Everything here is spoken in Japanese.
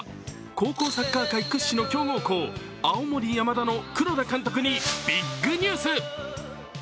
高校サッカー界屈指の強豪校、青森山田の黒田監督にビッグニュース。